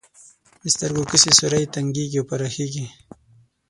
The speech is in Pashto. د سترګو کسي سوری تنګیږي او پراخیږي.